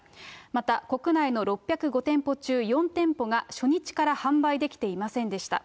また、国内の６０５店舗中４店舗が、初日から販売できていませんでした。